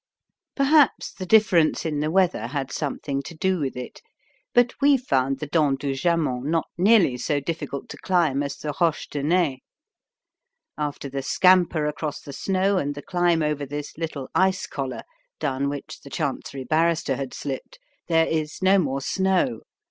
Perhaps the difference in the weather had something to do with it, but we found the Dent du Jaman not nearly so difficult to climb as the Roches de Naye. After the scamper across the snow and the climb over this little ice collar down which the Chancery Barrister had slipped, there is no more snow.